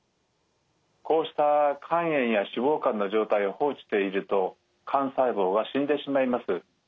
こうした肝炎や脂肪肝の状態を放置していると肝細胞が死んでしまいます。